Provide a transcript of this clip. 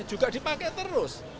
juga dipakai terus